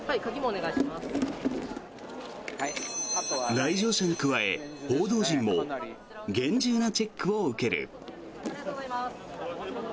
来場者に加え、報道陣も厳重なチェックを受ける。